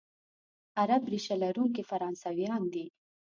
عرب ریشه لرونکي فرانسویان دي،